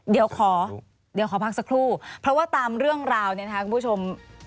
เดี๋ยวขอพักสักครู่เพราะว่าตามเรื่องราวเนี่ยคุณผู้ชม